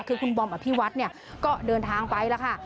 คือคุณบอมอภิวัตน์ก็เดินทางไปละค่ะ